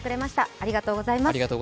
ありがとうございます。